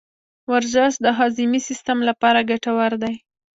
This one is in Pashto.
ورزش د هاضمي سیستم لپاره ګټور دی.